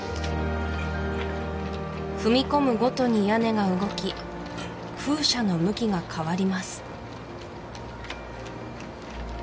踏み込むごとに屋根が動き風車の向きが変わります